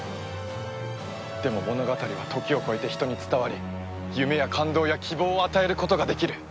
でも物語は時を超えて人に伝わり夢や感動や希望を与えることができる。